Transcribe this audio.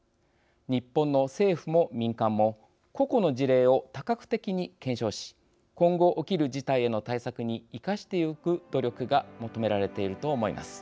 日本の政府も民間も個々の事例を多角的に検証し今後起きる事態への対策に生かしてゆく努力が求められていると思います。